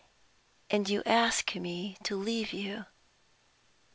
And you ask me to leave you!